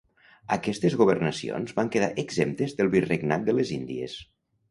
Aquestes governacions van quedar exemptes del Virregnat de les Índies.